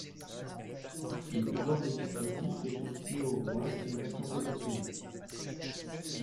Le pouvoir législatif est confié au roi et à l'Assemblée nationale.